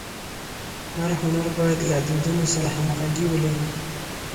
هر هنر باید له دودونو سره همږغي ولري.